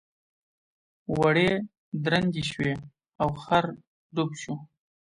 وړۍ درندې شوې او خر ډوب شو.